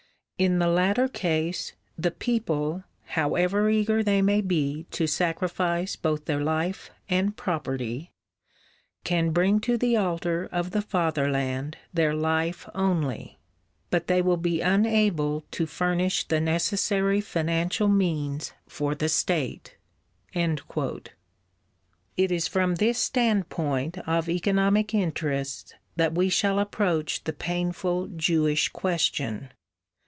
In the latter case, the people, however eager they may be to sacrifice both their life and property, can bring to the altar of the fatherland their life only, but they will be unable to furnish the necessary financial means for the State." It is from this standpoint of economic interests that we shall approach the painful Jewish question.